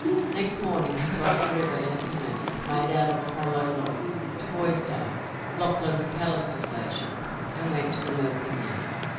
Next morning he crossed the river in a canoe, made out of a hollow log, to Boisdale, Lachlan Macalister's station, and went to the milking yard.